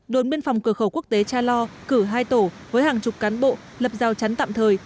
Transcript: đồn biên phòng cửa khẩu quốc tế cha lo cử hai tổ với hàng chục cán bộ lập giao chắn tạm thời